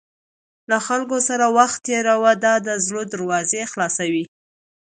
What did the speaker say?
له خلکو سره وخت تېروه، دا د زړه دروازې خلاصوي.